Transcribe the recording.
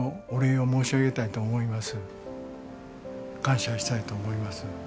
感謝したいと思います。